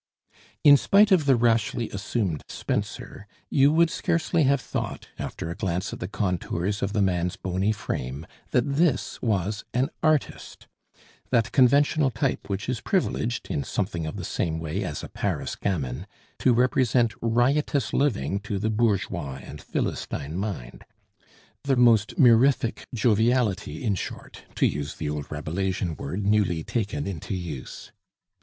In spite of the rashly assumed spencer, you would scarcely have thought, after a glance at the contours of the man's bony frame, that this was an artist that conventional type which is privileged, in something of the same way as a Paris gamin, to represent riotous living to the bourgeois and philistine mind, the most mirific joviality, in short (to use the old Rabelaisian word newly taken into use).